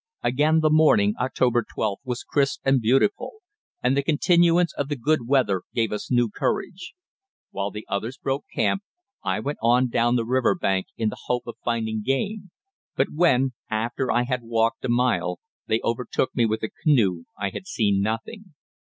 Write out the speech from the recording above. Again the morning (October 12th) was crisp and beautiful, and the continuance of the good weather gave us new courage. While the others broke camp, I went on down the river bank in the hope of finding game, but when, after I had walked a mile, they overtook me with the canoe I had seen nothing.